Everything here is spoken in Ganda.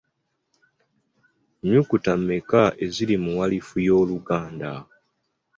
Nnyukuta mmeka eziri mu walifu y’Oluganda?